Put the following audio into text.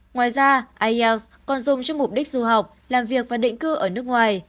ngoài ra ielts còn dùng cho mục đích du học làm việc và định cư ở nước ngoài